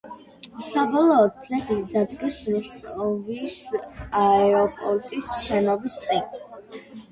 საბოლოოდ, ძეგლი დადგეს როსტოვის აეროპორტის შენობის წინ.